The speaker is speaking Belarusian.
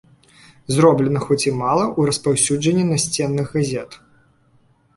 Зроблена, хоць і мала, у распаўсюджанні насценных газет.